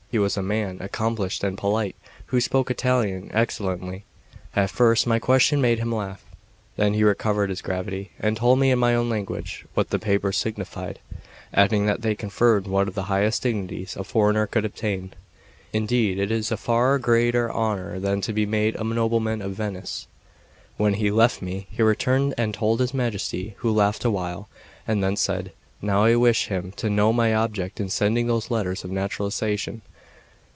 He was a man accomplished and polite, who spoke Italian excellently. At first my question made him laugh; then he recovered his gravity, and told me in my own language what the papers signified, adding that they conferred one of the highest dignities a foreigner could obtain: "indeed, it is a far greater honour than to be made a nobleman of Venice." When he left me, he returned and told his Majesty, who laughed awhile, and then said: "Now I wish him to know my object in sending those letters of naturalisation.